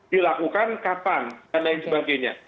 dilakukan kapan dan lain sebagainya